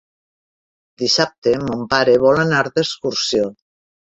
Dissabte mon pare vol anar d'excursió.